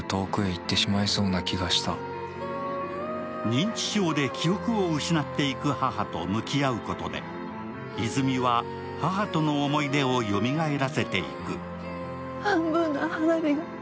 認知症で記憶を失っていく母と向き合うことで、泉は母との思い出をよみがえらせていく。